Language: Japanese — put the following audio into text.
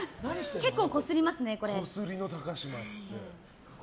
結構こすりますね、これ。